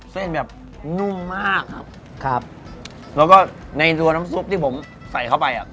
เส้นแบบนุ่มมากครับครับแล้วก็ในตัวน้ำซุปที่ผมใส่เข้าไปอ่ะ